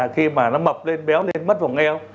khi mà nó mập lên béo lên mất vòng eo